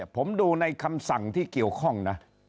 ผมดูในคำสั่งที่เกี่ยวข้องนะ